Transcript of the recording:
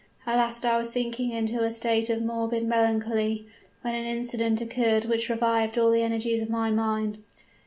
At last I was sinking into a state of morbid melancholy, when an incident occurred which revived all the energies of my mind.